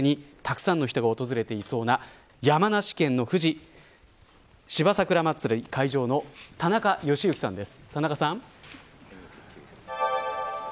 前倒しですでにたくさんの人が訪れていそうな山梨県の富士芝桜まつり会場の田中良幸さんです。